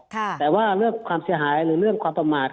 แต่ว่าเรื่องความเสียหายหรือเรื่องความประมาท